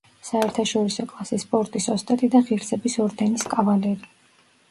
საერთაშორისო კლასის სპორტის ოსტატი და ღირსების ორდენის კავალერი.